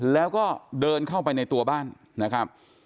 แล้วก็เดินเข้าไปในตัวบ้านนะครับ